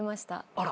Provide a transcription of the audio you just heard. あら。